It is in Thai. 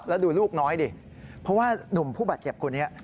แล้วดูลูกน้อยดิเพราะว่านุ่มผู้บาดเจ็บคนนี้